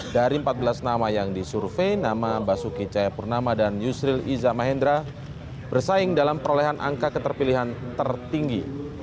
dari empat belas nama yang disurvei nama basuki cahayapurnama dan yusril iza mahendra bersaing dalam perolehan angka keterpilihan tertinggi